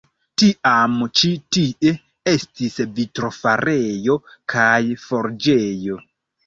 Tiam ĉi tie estis vitrofarejo kaj forĝejo.